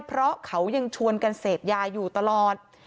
เพราะเขายังชวนกันเสพยาอยู่ตลอด